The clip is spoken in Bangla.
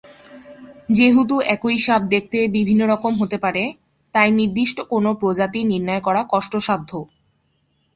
যেহেতু একই সাপ দেখতে বিভিন্ন রকম হতে পারে, তাই নির্দিষ্ট কোনো প্রজাতি নির্ণয় করা কষ্টসাধ্য।